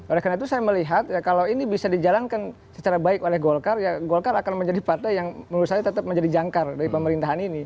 oleh karena itu saya melihat ya kalau ini bisa dijalankan secara baik oleh golkar ya golkar akan menjadi partai yang menurut saya tetap menjadi jangkar dari pemerintahan ini